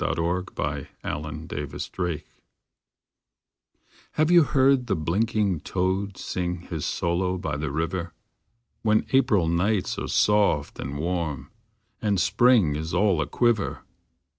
THE SONG OF THE TOAD HAVE you heard the blinking toad Sing his solo by the river When April nights are soft and warm, And spring is all a quiver